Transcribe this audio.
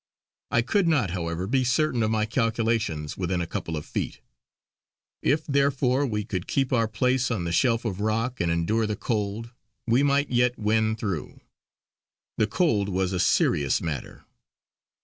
I could not, however, be certain of my calculations, within a couple of feet. If, therefore, we could keep our place on the shelf of rock and endure the cold we might yet win through. The cold was a serious matter.